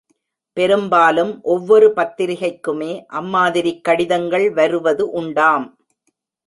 பெரும்பாலும் ஒவ்வொரு பத்திரிகைக்குமே அம்மாதிரிக் கடிதங்கள் வருவது உண்டாம்.